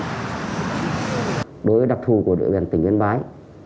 đối với đặc thù của địa bàn tỉnh yên bái